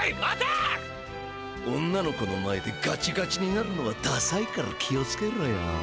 女の子の前でガチガチになるのはダサいから気をつけろよ。